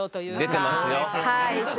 出てますね。